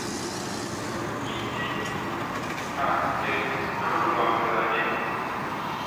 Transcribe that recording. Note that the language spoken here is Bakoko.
Kiti ag kɛ a ŋwalɓanɛ.